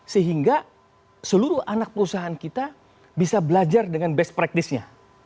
sehingga seluruh anak perusahaan kita bisa belajar dengan best practice nya